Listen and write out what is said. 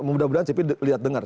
mudah mudahan cp lihat dengar